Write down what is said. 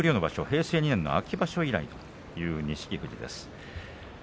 平成２年の秋場所以来という錦富士。